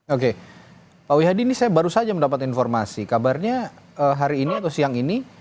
oke pak wihadi ini saya baru saja mendapat informasi kabarnya hari ini atau siang ini